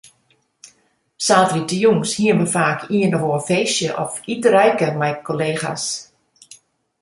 Saterdeitejûns hiene we faak ien of oar feestje of iterijke mei kollega's.